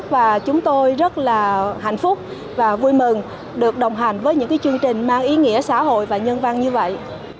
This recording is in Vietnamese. và chúng tôi rất là hạnh phúc và vui mừng được đồng hành với những chương trình mang ý nghĩa xã hội và nhân văn như vậy